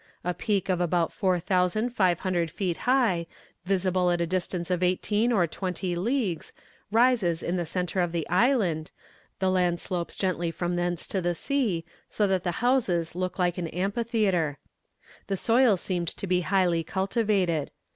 A peak of about four thousand five hundred feet high, visible at a distance of eighteen or twenty leagues, rises in the centre of the island; the land slopes gently from thence to the sea, so that the houses look like an amphitheatre. The soil seemed to be highly cultivated.